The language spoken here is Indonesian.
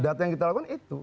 data yang kita lakukan itu